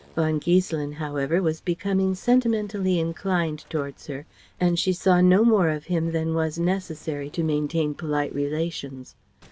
Von Giesselin however was becoming sentimentally inclined towards her and she saw no more of him than was necessary to maintain polite relations.